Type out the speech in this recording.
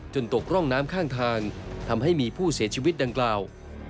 ตกร่องน้ำข้างทางทำให้มีผู้เสียชีวิตดังกล่าว